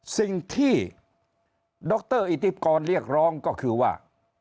สิ่งที่ดรอิปกรเรียกร้องก็คือว่า